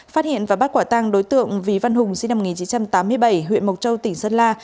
phát hiện và bắt quả tăng đối tượng vì văn hùng sinh năm một nghìn chín trăm tám mươi bảy huyện mộc châu tỉnh sơn la